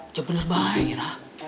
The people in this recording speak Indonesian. itu bener bahaya ira